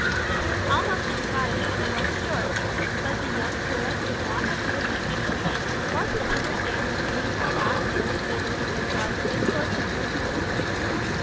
He was almost emphatic on the word short, but the young curate did not appear to take the hint, or to understand the meaning of that word either in regard to discourses or surtouts.